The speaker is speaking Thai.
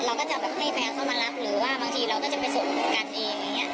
เราก็จะแบบไม่แฟนเขามารับหรือว่าบางทีเราก็จะไปส่งกันเองอย่างนี้